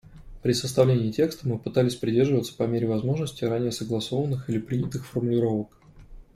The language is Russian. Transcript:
При составлении текста мы пытались придерживаться по мере возможности ранее согласованных или принятых формулировок.